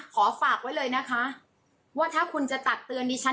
ขอฝากไว้เลยนะคะว่าถ้าคุณจะตักเตือนดิฉัน